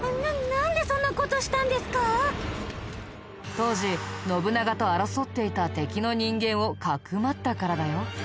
当時信長と争っていた敵の人間をかくまったからだよ。